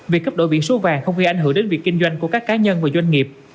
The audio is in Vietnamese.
việc cấp đổi biển số vàng không gây ảnh hưởng đến việc kinh doanh của các cá nhân và doanh nghiệp